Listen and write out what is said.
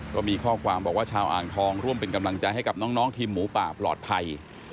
ก็มีข้อความบอกว่าชาวอ่างทองร่วมเป็นกำลังใจให้กับน้องทีมหมูป่าปลอดภัย